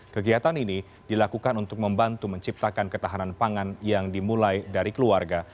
kegiatan ini dilakukan untuk membantu menciptakan ketahanan pangan yang dimulai dari keluarga